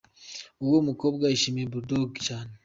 Uwo mukobwa yishimiye Bull Dogg cyane.